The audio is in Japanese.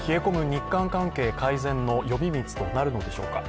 日韓関係の呼び水となるのでしょうか。